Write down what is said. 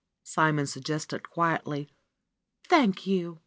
Simon suggested quietly. ^^Thank you